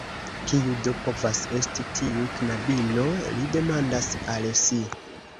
Kiu do povas esti tiu knabino? li demandas al si.